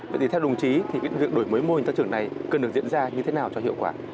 vậy thì theo đồng chí thì việc đổi mới mô hình tăng trưởng này cần được diễn ra như thế nào cho hiệu quả